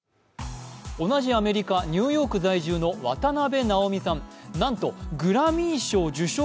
同じアメリカ、ニューヨーク在住の渡辺直美さん、なんとグラミー賞受賞